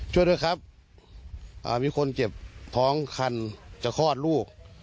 ช่วยด้วยครับมีคนเจ็บท้องคันจะคลอดลูก